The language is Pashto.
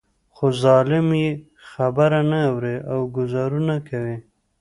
خو ظالم يې خبره نه اوري او ګوزارونه کوي.